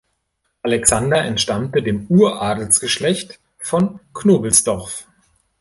Alexander entstammte dem Uradelsgeschlecht von Knobelsdorff.